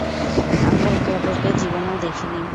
আমরা একে-অপরকে জীবনেও দেখিনি।